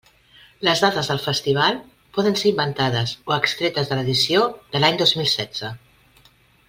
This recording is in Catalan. Les dades del festival poden ser inventades o extretes de l'edició de l'any dos mil setze.